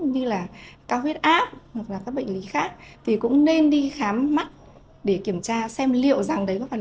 như là cao huyết áp hoặc là các bệnh lý khác thì cũng nên đi khám mắt để kiểm tra xem liệu rằng đấy có phần